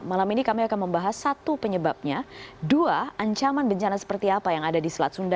malam ini kami akan membahas satu penyebabnya dua ancaman bencana seperti apa yang ada di selat sunda